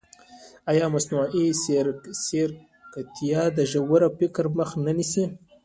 ایا مصنوعي ځیرکتیا د ژور فکر مخه نه نیسي؟